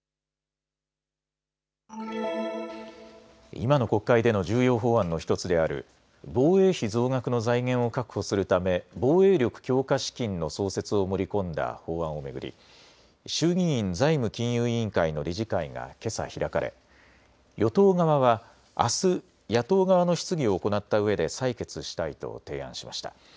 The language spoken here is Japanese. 今の国会での重要法案の１つである防衛費増額の財源を確保するため防衛力強化資金の創設を盛り込んだ法案を巡り衆議院財務金融委員会の理事会がけさ開かれ与党側はあす野党側の質疑を行ったうえで採決したいと提案しました。